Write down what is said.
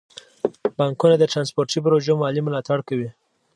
بانکونه د ترانسپورتي پروژو مالي ملاتړ کوي.